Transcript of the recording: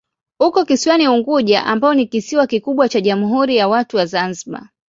Uko kisiwani Unguja ambayo ni kisiwa kikubwa cha Jamhuri ya Watu wa Zanzibar.